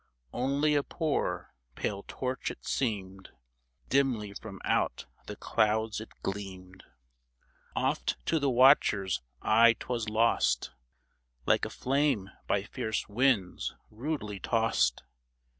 Only a poor, pale torch it seemed — Dimly from out the clouds it gleamed — THE DEAD CENTURY 99 Oft to tlie watcher's eye 'twas lost Like a flame by fierce winds rudely tossed.